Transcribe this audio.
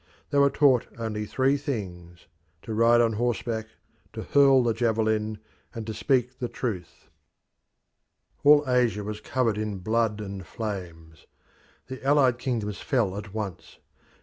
They were taught only three things to ride on horseback, to hurl the javelin, and to speak the truth. The Persians All Asia was covered with blood and flames. The allied kingdoms fell at once.